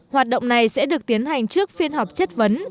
hoạt động này sẽ được tiến hành trước phiên họp chất vấn